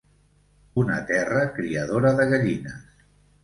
Una terra criadora de gallines.